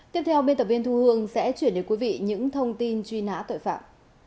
tiếp theo biên tập viên thu hương sẽ chuyển đến quý vị những thông tin truy nã tội phạm